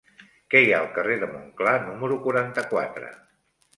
Què hi ha al carrer de Montclar número quaranta-quatre?